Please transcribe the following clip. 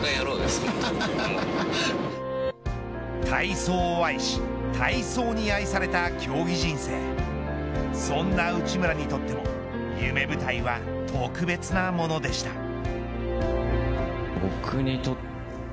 体操を愛し体操に愛された競技人生そんな内村にとっても夢舞台は特別なものでした。